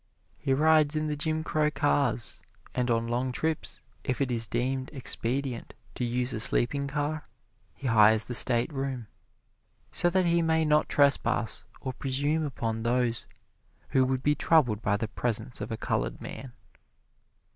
He rides in the Jim Crow cars, and on long trips, if it is deemed expedient to use a sleeping car, he hires the stateroom, so that he may not trespass or presume upon those who would be troubled by the presence of a colored man.